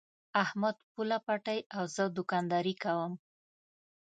احمد پوله پټی او زه دوکانداري کوم.